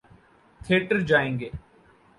Theatre جائیں گے۔